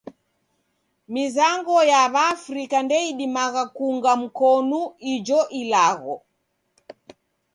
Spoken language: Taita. Mizango ya W'aafrika ndeidimagha kuunga mkonu ijo ilagho.